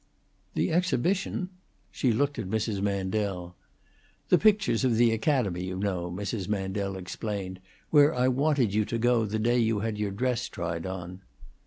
"The exhibition?" She looked at Mrs. Mandel. "The pictures of the Academy, you know," Mrs. Mandel explained. "Where I wanted you to go the day you had your dress tried on."